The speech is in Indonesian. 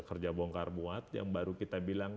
kerja bongkar muat yang baru kita bilang